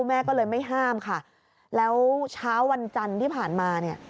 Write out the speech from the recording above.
แม่ก็เลยไม่ห้ามค่ะแล้วเช้าวันจันทร์ที่ผ่านมาเนี่ย